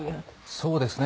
そうですね。